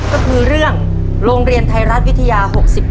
ก็คือเรื่องโรงเรียนไทยรัฐวิทยา๖๘